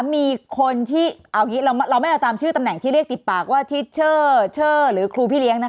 มีคนที่เอาอย่างนี้เราไม่เอาตามชื่อตำแหน่งที่เรียกติดปากว่าทิชเชอร์เชอร์หรือครูพี่เลี้ยงนะคะ